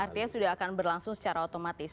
artinya sudah akan berlangsung secara otomatis